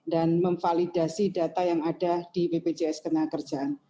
dan memvalidasi data yang ada di bpjs ketenagakerjaan